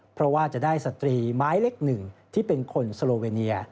เพราะว่าจะได้สตรีไม้เล็กหนึ่งที่เป็นคนสโลเวเนีย